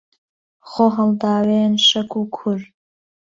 خۆ هەڵداوێن شەک و کوور